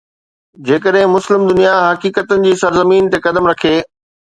جيڪڏهن مسلم دنيا حقيقتن جي سرزمين تي قدم رکي.